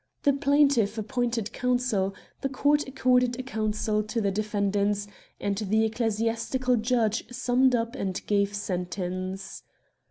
The plaintiff appointed counsel, the court accorded a counsel to the defendants, and the ecclesiastical judge summed up and gave sentence.